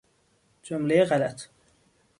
جملهی غلط